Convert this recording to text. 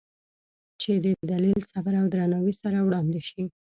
چې د دلیل، صبر او درناوي سره وړاندې شي،